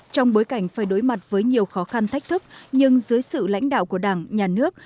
trong bối cảnh phải đối mặt với nhiều khó khăn thách thức nhưng dưới sự lãnh đạo của đảng nhà nước